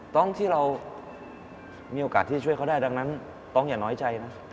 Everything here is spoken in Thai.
ต้องที่เรามีโอกาสที่จะช่วยเขาได้ดังนั้นต้องอย่าน้อยใจนะ